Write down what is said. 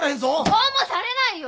どうもされないよ！